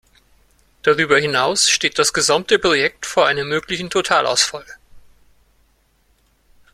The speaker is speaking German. Darüber hinaus steht das gesamte Projekt vor einem möglichen Totalausfall.